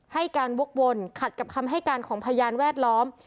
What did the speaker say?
ให้การวกวนขัดกับคำให้การของพยานแวดล้อม